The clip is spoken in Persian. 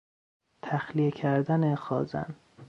تخلیه کردن خازن